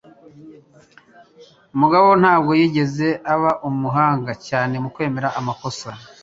Mugabo ntabwo yigeze aba umuhanga cyane mu kwemera amakosa.